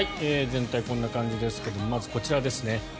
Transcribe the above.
全体はこんな感じですけどまず、こちらですね。